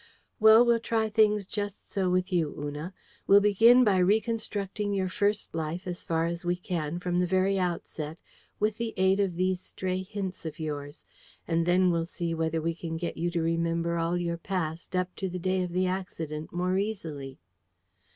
Well, we'll try things just so with you, Una. We'll begin by reconstructing your first life as far as we can from the very outset, with the aid of these stray hints of yours; and then we'll see whether we can get you to remember all your past up to the day of the accident more easily."